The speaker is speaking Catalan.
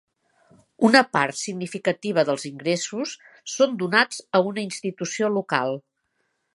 Una part significativa dels ingressos són donats a una institució local.